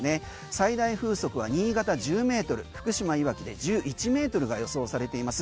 最大風速は新潟１０ｍ福島いわきで１１ｍが予想されています。